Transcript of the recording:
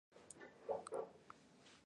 ټولګه مجموعې ته وايي.